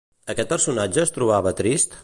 Aquest personatge es trobava trist?